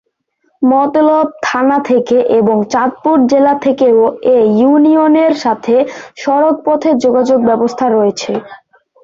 মতলব থানা থেকে এবং চাঁদপুর জেলা থেকেও এ ইউনিয়নের সাথে সড়কপথে যোগাযোগ ব্যবস্থা রয়েছে।